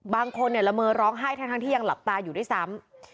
บางคนละเมอร้องไห้ทั้งที่ยังหลับตาอยู่ด้วยซ้ำ